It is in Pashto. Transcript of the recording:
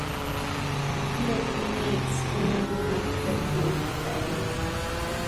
ږیره کې یې سپین ډکونه ښکاري.